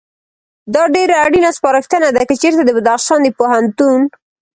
دا ډېره اړینه سپارښتنه ده، که چېرته د بدخشان د پوهنتون